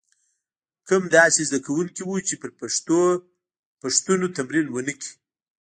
کم داسې زده کوونکي وو چې پر پوښتنو تمرین ونه کړي.